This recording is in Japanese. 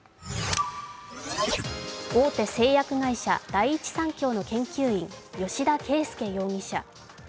大手製薬会社、第一三共の研究員、吉田佳右容疑者。